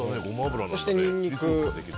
そしてニンニク。